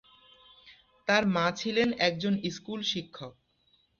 তার মা ছিলেন একজন স্কুল শিক্ষক।